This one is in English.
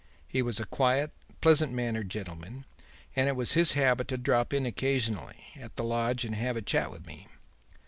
He was a quiet, pleasant mannered gentleman, and it was his habit to drop in occasionally at the lodge and have a chat with me.